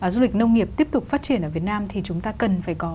du lịch nông nghiệp tiếp tục phát triển ở việt nam thì chúng ta cần phải có